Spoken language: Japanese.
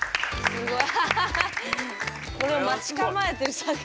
すごい。